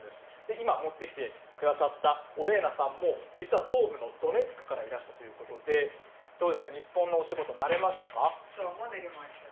今、持ってきてくださったオレーナさんも、実は東部のドネツクからいらしたということで、どうですか、日本のお仕事、慣れましたか？